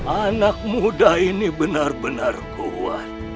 anak muda ini benar benar kuat